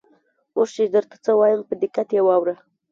اوس چې درته څه وایم په دقت یې واوره.